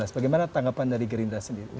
bagaimana tanggapan dari gerindra sendiri